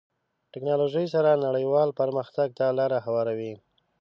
ټکنالوژي سره نړیوال پرمختګ ته لاره هواروي.